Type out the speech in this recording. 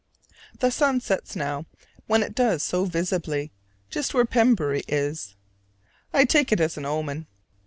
The sun sets now, when it does so visibly, just where Pembury is. I take it as an omen.